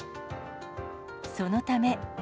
そのため。